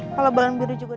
kalau bangun biru juga